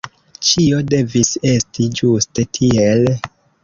Ĉio devis esti ĝuste tiel.